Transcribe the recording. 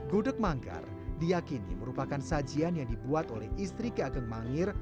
gudeg manggar diakini merupakan sajian yang dibuat oleh istri ki ageng mangir